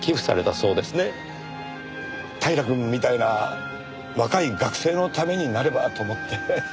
平くんみたいな若い学生のためになればと思って。